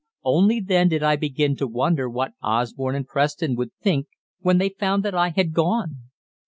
Only then did I begin to wonder what Osborne and Preston would think when they found that I had gone.